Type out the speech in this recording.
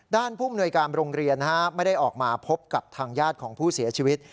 ผู้มนวยการโรงเรียนไม่ได้ออกมาพบกับทางญาติของผู้เสียชีวิต